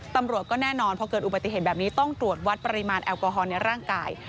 ตำรวจก็แน่นอนพอเกิดอุบัติเหตุแบบนี้ต้องตรวจวัดปริมาณแอลกอฮอลในร่างกาย